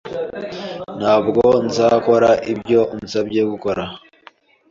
Ntabwo nzakora ibyo unsabye gukora.